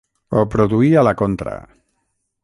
Ho produí a la contra.